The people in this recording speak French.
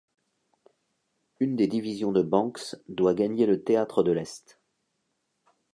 Une des divisions de Banks doit gagner le théâtre de l’Est.